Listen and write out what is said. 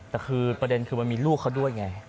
แต่คือประเด็นคือมันมีลูกเขาด้วยไง